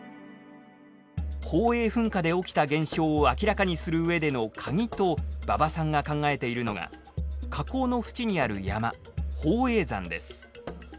宝永噴火で起きた現象を明らかにするうえでのカギと馬場さんが考えているのが火口の縁にある山宝永山です。